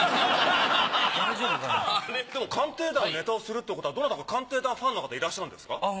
でも「鑑定団」のネタをするってことはどなたか「鑑定団」ファンの方いらっしゃるんですか？